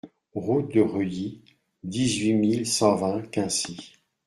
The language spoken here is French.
Route de Reuilly, dix-huit mille cent vingt Quincy